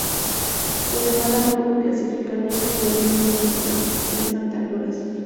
Guatemala no pudo clasificar ya que perdió en semifinales ante Honduras.